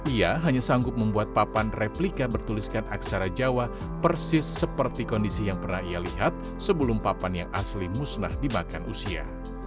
ia hanya sanggup membuat papan replika bertuliskan aksara jawa persis seperti kondisi yang pernah ia lihat sebelum papan yang asli musnah dimakan usia